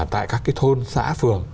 tại các cái thôn xã phường